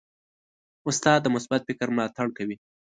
استاد د مثبت فکر ملاتړ کوي.